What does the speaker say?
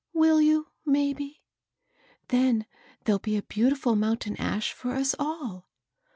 Will you, maybe ? Then there'll be a beautiful mountain ash for us all.